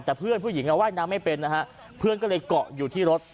แต่เพื่อนผู้หญิงว่ายน้ำไม่เป็นนะฮะเพื่อนก็เลยเกาะอยู่ที่รถ